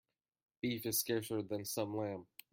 Beef is scarcer than some lamb.